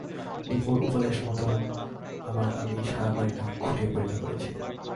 দুপোঁর উপদেশমতো আবার আমি সারাবাড়িটা খুঁটিয়ে পরীক্ষা করেছি।